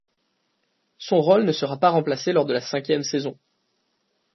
Son rôle ne sera pas remplacé lors de la cinquième saison.